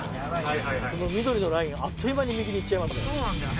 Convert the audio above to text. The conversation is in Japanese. この緑のラインあっという間に右にいっちゃいますね。